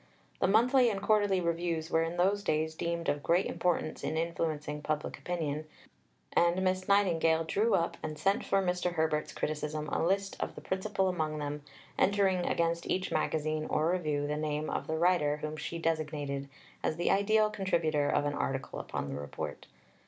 The monthly and quarterly Reviews were in those days deemed of great importance in influencing public opinion, and Miss Nightingale drew up and sent for Mr. Herbert's criticism a list of the principal among them, entering against each magazine or review the name of the writer whom she designated as the ideal contributor of an article upon the Report.